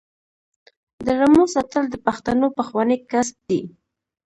د رمو ساتل د پښتنو پخوانی کسب دی.